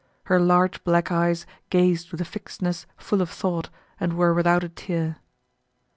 Her large black eyes gazed with a fixedness full of thought and were without a tear.